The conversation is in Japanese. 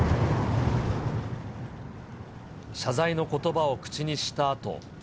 謝罪のことばを口にしたあと。